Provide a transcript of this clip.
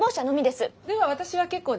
では私は結構です。